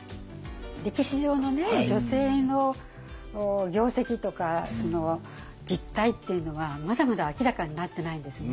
歴史上のね女性の業績とか実態っていうのはまだまだ明らかになってないんですね。